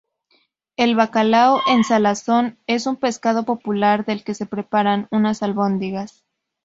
El bacalao en salazón es un pescado popular, del que se preparan unas albóndigas.